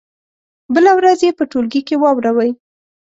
بله ورځ یې په ټولګي کې واوروئ.